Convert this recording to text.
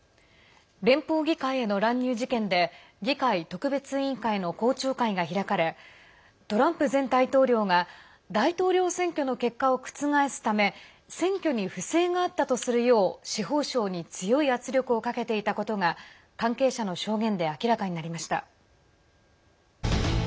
連邦議会への乱入事件で議会特別委員会の公聴会が開かれトランプ前大統領が大統領選挙の結果を覆すため選挙に不正があったとするよう司法省に強い圧力をかけていたことが関係者の証言で明らかになりました。